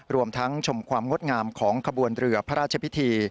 รวมทั้งชมความงดงามของขบวนเรือพระราชพิธี